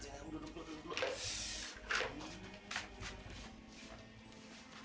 duduk duduk duduk